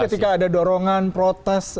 ketika ada dorongan protes